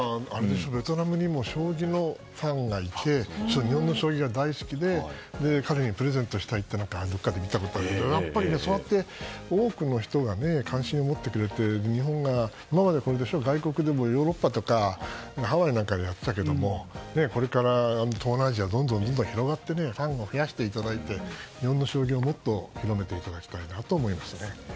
ベトナムにも将棋のファンがいて日本の将棋が大好きで彼にプレゼントしたというのがどこかで見たことがありますがやっぱり、そうやって多くの人が関心を持ってくれて今まで外国でもヨーロッパとかハワイなんかでやっていたけどこれから東南アジアなどにどんどん広がってファンを増やしていただいて日本の将棋をもっと広めていただきたいと思います。